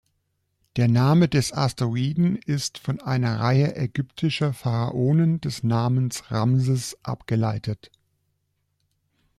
Der Name des Asteroiden ist von einer Reihe ägyptischer Pharaonen des Namens Ramses abgeleitet.